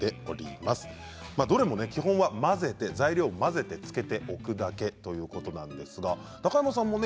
まあどれもね基本は混ぜて材料を混ぜてつけておくだけということなんですが中山さんもね